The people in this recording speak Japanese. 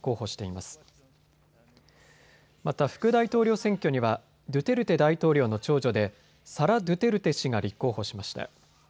また副大統領選挙にはドゥテルテ大統領の長女でサラ・ドゥテルテ氏が立候補しました。